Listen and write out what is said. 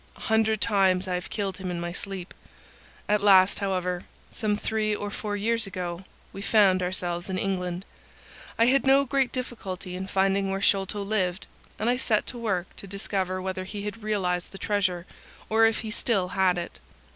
A hundred times I have killed him in my sleep. At last, however, some three or four years ago, we found ourselves in England. I had no great difficulty in finding where Sholto lived, and I set to work to discover whether he had realised the treasure, or if he still had it.